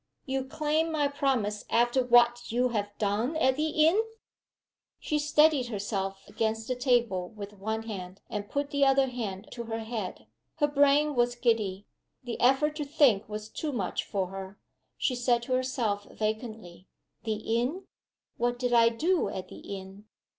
"You claim my promise after what you have done at the inn?" She steadied herself against the table with one hand, and put the other hand to her head. Her brain was giddy. The effort to think was too much for her. She said to herself, vacantly, "The inn? What did I do at the inn?"